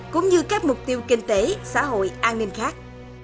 cũng như các mục tiêu kinh tế xã hội an ninh khác